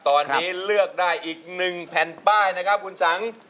ตอนนี้เลือกได้อีก๑แผ่นป้ายนะครับคุณสัง